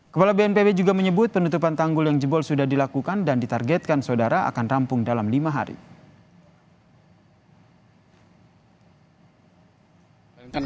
kepala bnpb juga menyebut penutupan tanggul yang jebol sudah dilakukan dan ditargetkan saudara akan rampung dalam lima hari